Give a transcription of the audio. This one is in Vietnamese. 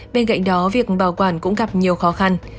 bên cạnh đó việc bảo quản cũng gặp nhiều khó khăn